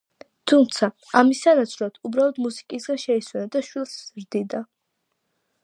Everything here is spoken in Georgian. თუმცა, ამის სანაცვლოდ, უბრალოდ მუსიკისგან შეისვენა და შვილს ზრდიდა.